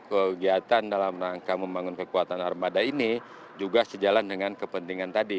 kegiatan dalam rangka membangun kekuatan armada ini juga sejalan dengan kepentingan tadi